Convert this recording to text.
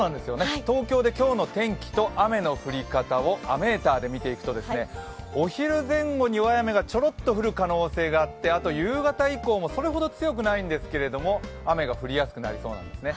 東京で今日の天気と雨の降り方を雨ーターで見ていきますとお昼前後には雨がちょろっと降る可能性があってあと夕方以降もそれほど強くないんですけど雨が降りやすくなりそうなんですね。